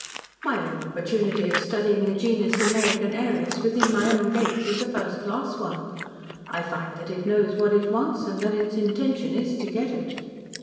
"My own opportunity of studying the genus American heiress within my own gates is a first class one. I find that it knows what it wants and that its intention is to get it."